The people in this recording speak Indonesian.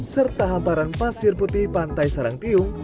serta hamparan pasir putih pantai sarangtium